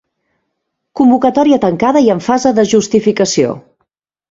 Convocatòria tancada i en fase de justificació.